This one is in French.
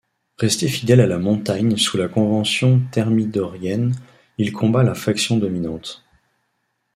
Resté fidèle à la Montagne sous la Convention thermidorienne, il combat la faction dominante.